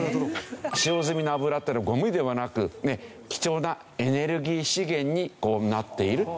使用済みの油というのはゴミではなく貴重なエネルギー資源になっているという事ですね。